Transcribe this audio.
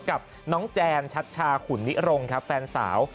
กับน้องแจนชัชชาขุนนิรงครับแฟนสาว